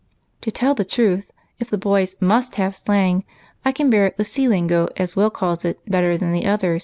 "To tell the truth, if the boys must have slang, I can bear the 'sea lingo,' as Will calls it, better than the other.